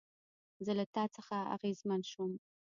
زه له تا څخه اغېزمن شوم